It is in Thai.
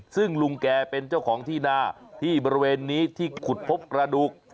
ซึ่งลุงแกเป็นเจ้าของที่นาที่บริเวณนี้ที่ขุดพบกระดูก